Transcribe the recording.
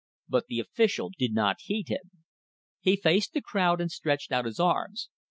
But the official did not heed him. He faced the crowd and stretched out his arms.